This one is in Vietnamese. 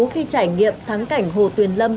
khi trải nghiệm thắng cảnh hồ tuyền lâm